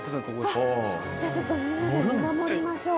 じゃあちょっとみんなで見守りましょう。